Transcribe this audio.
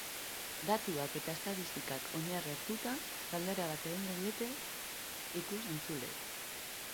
Datuak eta estatistikak oinarri hartuta, galdera bat egingo diete ikus-entzuleei.